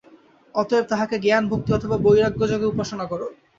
অতএব তাঁহাকে জ্ঞান, ভক্তি অথবা বৈরাগ্যযোগে উপাসনা কর।